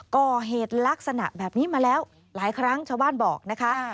ก่อเหตุลักษณะแบบนี้มาแล้วหลายครั้งชาวบ้านบอกนะคะ